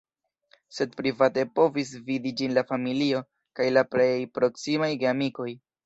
Sed private povis vidi ĝin la familio kaj la plej proksimaj geamikoj.